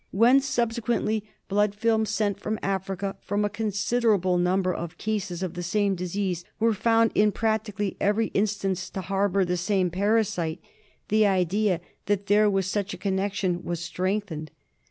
When, subsequently, blood films sent from Africa from a considerable number of cases of the same disease were found, in practically every instance, to harbour the same parasite, the idea that there was such a connection was strengthened.